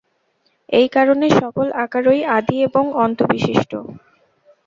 এই কারণে সকল আকারই আদি এবং অন্ত-বিশিষ্ট।